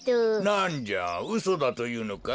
なんじゃうそだというのか？